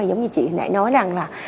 giống như chị hồi nãy nói rằng là